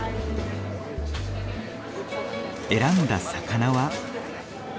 選んだ魚は。